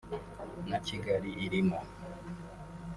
na Kigali irimo